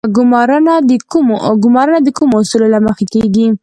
ګمارنه د کومو اصولو له مخې کیږي؟